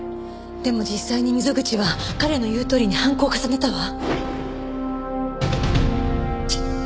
でも実際に溝口は彼の言うとおりに犯行を重ねたわ。